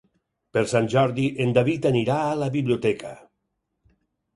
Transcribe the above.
Per Sant Jordi en David anirà a la biblioteca.